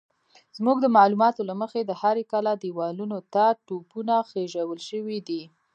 زموږ د معلوماتو له مخې د هرې کلا دېوالونو ته توپونه خېژول شوي دي.